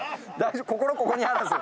心ここにあらず。